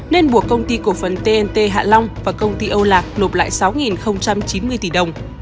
nên buộc công ty cổ phần tnt hạ long và công ty âu lạc nộp lại sáu chín mươi tỷ đồng